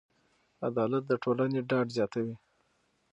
عدالت د ټولنې ډاډ زیاتوي.